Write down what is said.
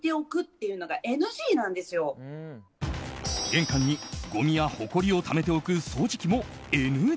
玄関にごみやほこりをためておく掃除機もＮＧ。